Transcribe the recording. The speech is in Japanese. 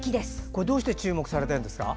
これ、どうして注目されているんですか？